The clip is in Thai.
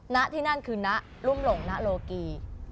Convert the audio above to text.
น่ะที่นั่นคือน่ะรุ่มหลงน่ะโลกี